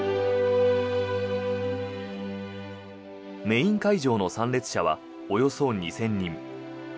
メイン会場の参列者はおよそ２０００人。